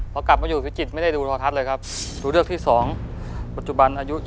พอกลับมาอยู่ประจิตนไม่ได้ดูทัทท์เลยครับ